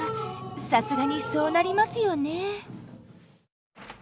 さすがにそうなりますよね。